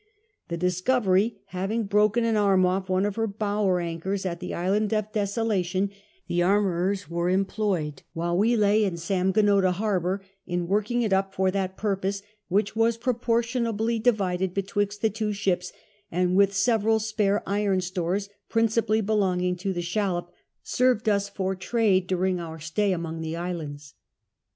The JHmmry having bi'oken an arm off one of her bower anchors at the Island of Deso lation, tlie armourers were emidoyed, >vhile we lay in Sam gaiioda harbour, in working it up for tiiat purpose, whicli was proportionably divided bcUvixt the two ships, and with several spare iron stores, principilly belonging to the shallop, served us for trade during our stay among the islands.